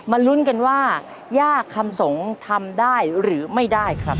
ลุ้นกันว่าย่าคำสงฆ์ทำได้หรือไม่ได้ครับ